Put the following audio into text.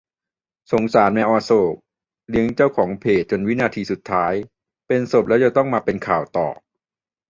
"สงสารแมวอโศก เลี้ยงเจ้าของเพจจนวินาทีสุดท้าย เป็นศพแล้วยังต้องมาเป็นข่าวต่อ"